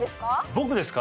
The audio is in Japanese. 僕ですか？